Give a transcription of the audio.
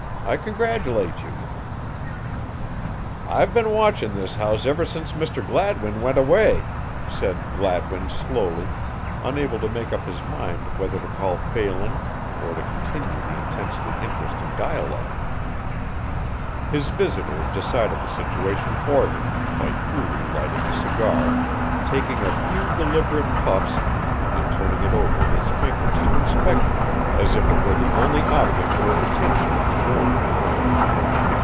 I congratulate you." "I've been watching this house ever since Mr. Gladwin went away," said Gladwin slowly, unable to make up his mind whether to call Phelan or to continue the intensely interesting dialogue. His visitor decided the situation for him by coolly lighting a cigar, taking a few deliberate puffs and turning it over in his fingers to inspect it as if it were the only object worth attention in the room.